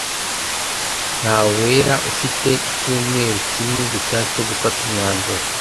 Nyawera afite icyumweru kimwe gusa cyo gufata umwanzuro.